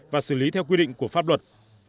và xử lý theo quy định của pháp luật